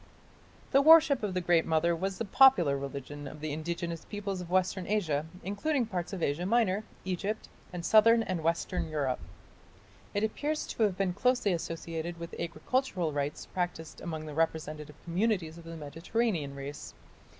The worship of the Great Mother was the popular religion of the indigenous peoples of western Asia, including parts of Asia Minor, Egypt, and southern and western Europe. It appears to have been closely associated with agricultural rites practised among representative communities of the Mediterranean race.